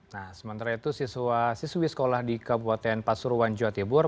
nah sementara itu siswa siswi sekolah di kabupaten pasuruan jawa tibur